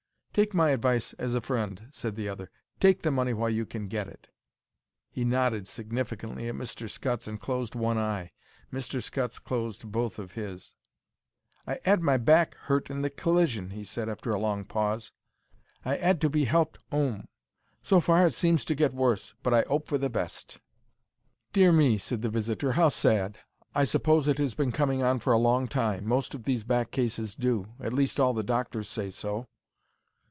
"Take my advice as a friend," said the other; "take the money while you can get it." He nodded significantly at Mr. Scutts and closed one eye. Mr. Scutts closed both of his. "I 'ad my back hurt in the collision," he said, after a long pause. "I 'ad to be helped 'ome. So far it seems to get worse, but I 'ope for the best." "Dear me," said the visitor; "how sad! I suppose it has been coming on for a long time. Most of these back cases do. At least all the doctors say so."